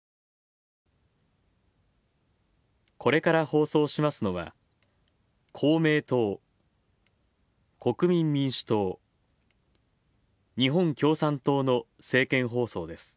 これから放送しますのは、公明党国民民主党日本共産党の政見放送です。